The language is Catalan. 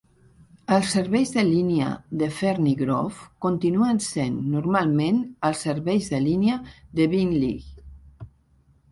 Els serveis de línia de Ferny Grove continuen sent normalment els serveis de línia de Beenleig.